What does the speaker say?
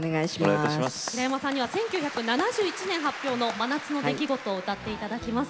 平山さんには１９７１年発表の「真夏の出来事」を歌って頂きます。